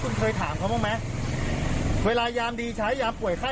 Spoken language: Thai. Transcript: คุณเคยถามเขาบ้างไหมเวลายามดีใช้ยามป่วยไข้